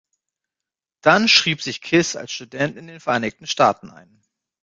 Dann schrieb sich Kiss als Student in den Vereinigten Staaten ein.